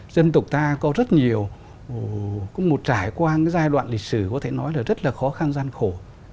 dân tộc ta có rất nhiều cũng một trải qua cái giai đoạn lịch sử có thể nói là rất là khó khăn gian khổ